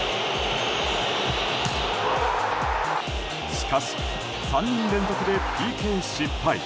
しかし、３人連続でＰＫ失敗。